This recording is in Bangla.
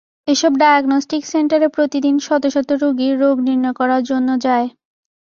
এসব ডায়াগনস্টিক সেন্টারে প্রতিদিন শত শত রোগী রোগ নির্ণয় করার জন্য যায়।